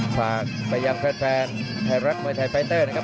ฝากไปยังแฟนไทยรัฐมวยไทยไฟเตอร์นะครับ